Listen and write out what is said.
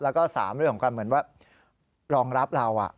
แล้วก็๓เรื่องของการเหมือนว่ารองรับเรา